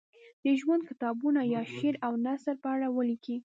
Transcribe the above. د ژوند کتابونه یا شعر او نثر په اړه ولیکي.